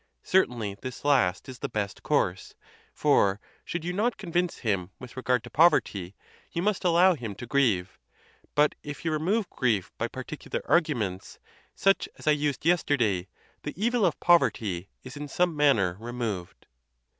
Certainly this last is the best course ; or should you not convince him with regard to poverty, you must allow him to grieve; but if you remove grief by particular arguments, such as I used yesterday, the evil of poverty is in some manner removed.